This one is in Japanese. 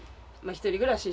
１人暮らし